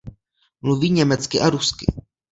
Mluví německy a rusky.